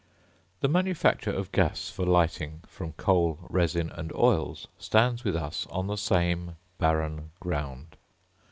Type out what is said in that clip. The manufacture of gas for lighting, from coal, resin, and oils, stands with us on the same barren ground.